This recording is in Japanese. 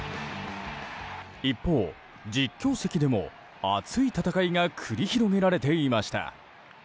一方、実況席でも熱い戦いが繰り広げられていました。